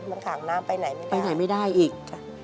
มันขังน้ำไปไหนไม่ได้ไปไหนไม่ได้อีก